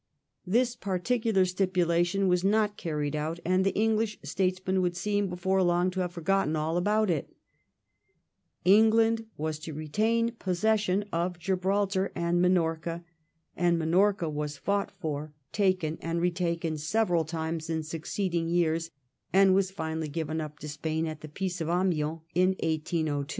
This particular stipulation was not carried out, and the English statesmen would seem before long to have forgotten all about it. England was to retain possession of Gibraltar and Minorca, and Minorca was fought for, k2 132 THE REIGN OF QUEEN ANNE. oh. xxvii. taken, and retaken several times in succeeding years, and was finally given up to Spain at the Peace of Amiens in 1802.